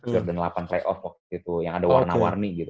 jordan delapan try off waktu itu yang ada warna warni gitu